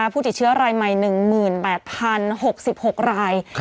ผู้ติดเชื้อรายใหม่๑๘๐๖๖ราย